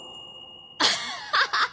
アハハハ！